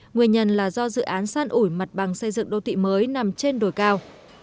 nguyên nhân là do dự án san ủi mặt bằng xây dựng đô thị mới nằm trên đồi cao